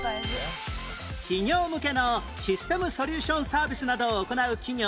企業向けのシステムソリューションサービスなどを行う企業